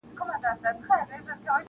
هره ورځ به یې تازه وه مجلسونه -